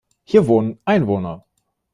Hier wohnen Einwohner.